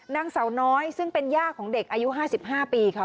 นางสาวน้อยซึ่งเป็นย่าของเด็กอายุ๕๕ปีค่ะ